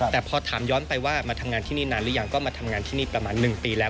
แต่พอถามย้อนไปว่ามาทำงานที่นี่นานหรือยังก็มาทำงานที่นี่ประมาณ๑ปีแล้ว